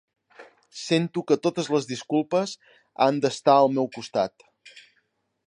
Sento que totes les disculpes han d'estar al meu costat.